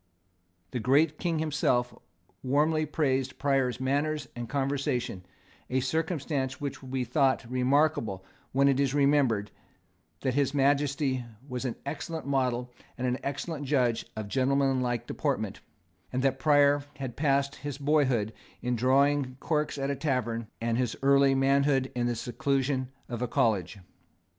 The great King himself warmly praised Prior's manners and conversation, a circumstance which will be thought remarkable when it is remembered that His Majesty was an excellent model and an excellent judge of gentlemanlike deportment, and that Prior had passed his boyhood in drawing corks at a tavern, and his early manhood in the seclusion of a college.